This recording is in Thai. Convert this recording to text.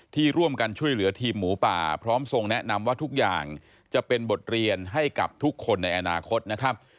ที่ร่วมกันช่วยเหลือทีมหมูป่าพร้อมทรงแนะนำว่าทุกอย่างจะเป็นบทเรียนให้กับทุกคนในอนาคตนะครับ